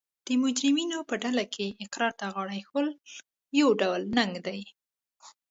د مجرمینو په ډله کې اقرار ته غاړه ایښول یو ډول ننګ دی